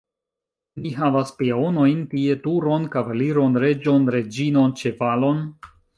Ni havas peonojn tie, turon, kavaliron, reĝon, reĝinon ĉevalon?